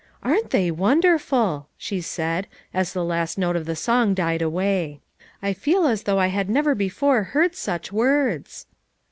"Aren't they wonderful!" she said as the last note of the song died away. "I feel as though I had never before heard such words."